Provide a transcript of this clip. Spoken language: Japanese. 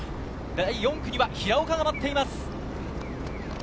４区には平岡が待っています。